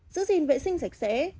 giữ gìn vệ sinh sạch sẽ